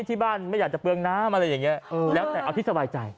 ที่บ้านไม่อยากจะเปลืองน้ำอะไรอย่างนี้แล้วแต่เอาที่สบายใจ